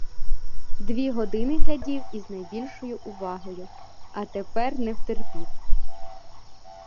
Дві години глядів із найбільшою увагою, а тепер не втерпів.